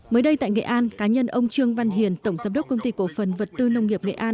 mới đây tại nghệ an cá nhân ông trương văn hiền tổng giám đốc công ty cổ phần vật tư nông nghiệp nghệ an